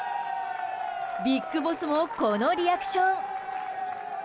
ビッグボスもこのリアクション。